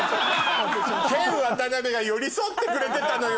ケン・ワタナベが寄り添ってくれてたのよ